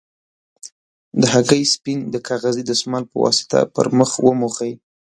د هګۍ سپین د کاغذي دستمال په واسطه پر مخ وموښئ.